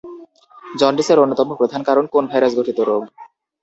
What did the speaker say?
জন্ডিসের অন্যতম প্রধান কারণ কোন ভাইরাস ঘটিত রোগ?